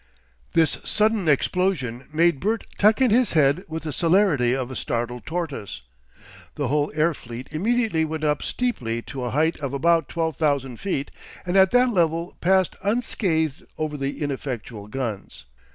This sudden explosion made Bert tuck in his head with the celerity of a startled tortoise. The whole air fleet immediately went up steeply to a height of about twelve thousand feet and at that level passed unscathed over the ineffectual guns.